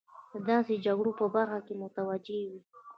د داسې جګړو په برخه کې متوجه وي.